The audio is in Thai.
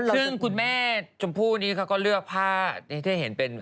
ซึ่งคุณแม่ชมพู่นี้เขาก็เลือกผ้าที่เห็นเป็น